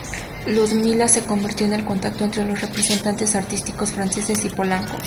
Ludmila se convirtió en el contacto entre los representantes artísticos franceses y polacos.